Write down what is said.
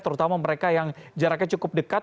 apakah memang mereka yang jaraknya cukup dekat